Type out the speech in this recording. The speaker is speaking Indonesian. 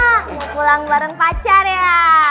mau pulang bareng pacar ya